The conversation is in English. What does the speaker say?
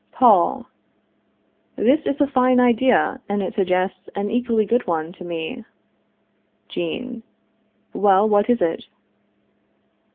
Paul. This is a fine idea, and it suggests an equally good one to me. Jean. Well, what is it?